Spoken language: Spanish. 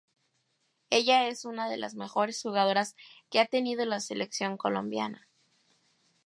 Ella es una de las mejores jugadoras que ha tenido la selección Colombia.